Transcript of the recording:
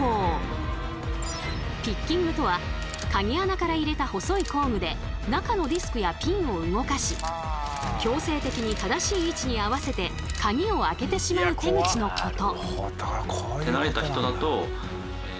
ピッキングとはカギ穴から入れた細い工具で中のディスクやピンを動かし強制的に正しい位置に合わせてカギを開けてしまう手口のこと。